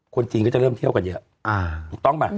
คนจีนก็จะเริ่มเที่ยวกันเยอะถูกต้องไหม